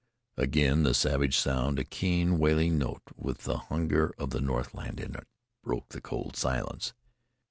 Again the savage sound, a keen wailing note with the hunger of the northland in it, broke the cold silence.